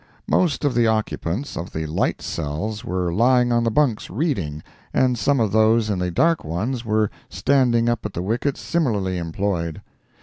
Most of the occupants of the light cells were lying on the bunks reading, and some of those in the dark ones were standing up at the wickets similarly employed.